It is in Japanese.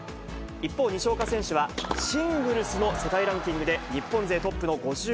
一方、西岡選手はシングルスの世界ランキングで日本勢トップの５５位。